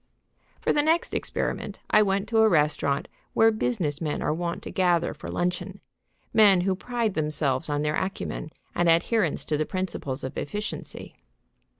For the next experiment I went to a restaurant where business men are wont to gather for luncheon, men who pride themselves on their acumen and adherence to the principles of efficiency.